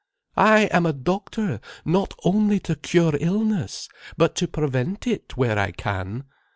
"I am a doctor not only to cure illness, but to prevent it where I can.